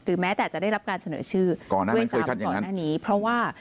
คือแม้แต่จะได้รับการเสนอชื่อก่อนหน้านี้เพราะว่า